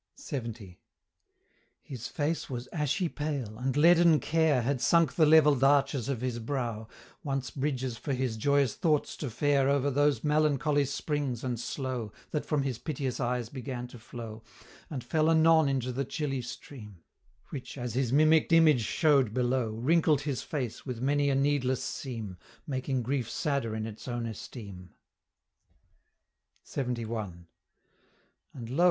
LXX. "His face was ashy pale, and leaden care Had sunk the levell'd arches of his brow, Once bridges for his joyous thoughts to fare Over those melancholy springs and slow, That from his piteous eyes began to flow, And fell anon into the chilly stream; Which, as his mimick'd image show'd below, Wrinkled his face with many a needless seam, Making grief sadder in its own esteem." LXXI. "And lo!